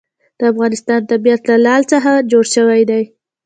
د افغانستان طبیعت له لعل څخه جوړ شوی دی.